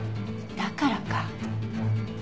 だからか。